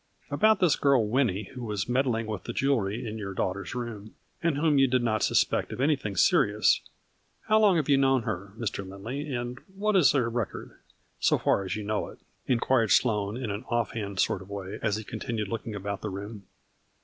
" About this girl Winnie, who was meddling with the jewelry in your daughter's room, and whom you did not suspect of anything serious, how long have you known her, Mr. Lindley and what is her record, so far as you know it ? inquired Sloane in an offhand sort of way as he continued looking about the room.